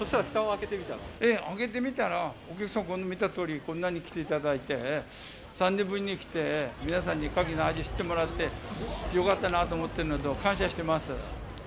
開けてみたら、お客さん、見たとおり、こんなに来ていただいて、３年ぶりに来て、皆さんにカキの味知ってもらって、よかったなと思ってるのと、感謝しています。